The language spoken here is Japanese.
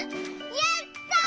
やった！